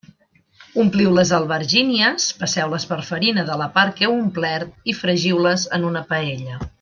Ompliu les albergínies, passeu-les per farina de la part que heu omplert i fregiu-les en una paella.